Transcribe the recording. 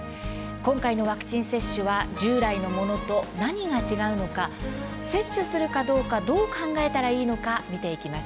今回のワクチン接種は従来のものと何が違うのか接種するかどうかどう考えたらいいのか見ていきます。